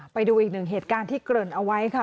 ไปดูอีกหนึ่งเหตุการณ์ที่เกริ่นเอาไว้ค่ะ